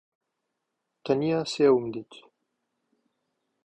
تەنیا سێوم دیت.